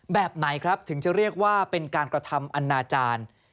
แบบไหนครับถึงจะเรียกว่าเป็นการกระทำอนาจารย์